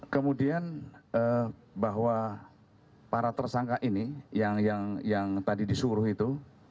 kemudian bahwa para tersangka ini yang tadi disuruh itu